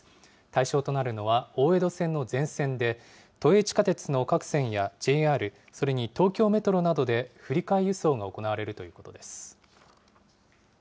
対象となるのは、大江戸線の全線で、都営地下鉄の各線やＪＲ、それに東京メトロなどで振り替え輸送が行われるということです。